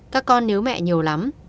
các con nhớ mẹ nhiều lắm